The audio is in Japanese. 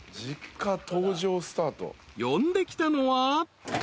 ［呼んできたのは］